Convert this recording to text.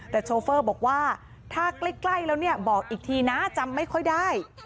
แต่โชเฟอร์บอกว่าถ้าใกล้แล้วเนี่ยบอกอีกทีนะจำไม่ค่อยได้